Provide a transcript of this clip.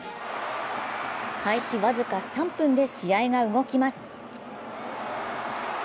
開始僅か３分で試合が動きます。